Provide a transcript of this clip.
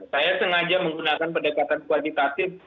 saya sengaja menggunakan pendekatan kuantitatif